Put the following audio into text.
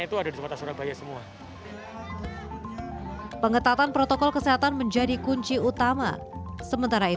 itu ada di kota surabaya semua pengetatan protokol kesehatan menjadi kunci utama sementara itu